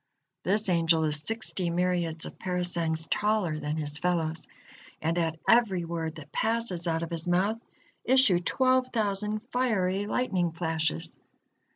This angel is sixty myriads of parasangs taller than his fellows, and at every word that passes out of his mouth, issue twelve thousand fiery lightning flashes.